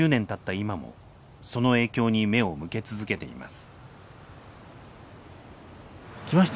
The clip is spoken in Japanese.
今もその影響に目を向け続けています。